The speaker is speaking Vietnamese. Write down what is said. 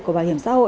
của bảo hiểm xã hội